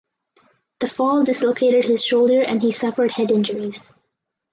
The fall dislocated his shoulder and he suffered head injuries.